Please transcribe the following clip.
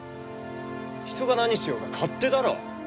人が何しようが勝手だろ！